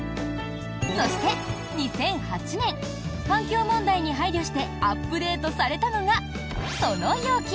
そして、２００８年環境問題に配慮してアップデートされたのがその容器！